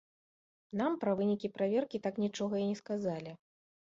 Нам пра вынікі праверкі так нічога і не сказалі.